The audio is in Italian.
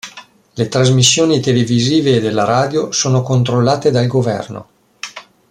Le trasmissioni televisive e della radio sono controllate dal governo.